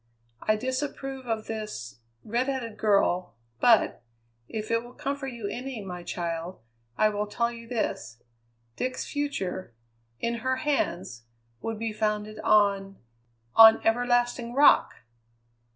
I disapprove of this redheaded girl, but, if it will comfort you any, my child, I will tell you this: Dick's future, in her hands, would be founded on on everlasting rock!"